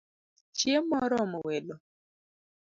Chiemo oromo welo